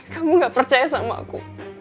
kamu gak percaya sama aku